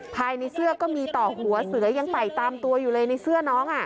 ภายในเสื้อก็มีต่อหัวเสือยังไต่ตามตัวอยู่เลยในเสื้อน้อง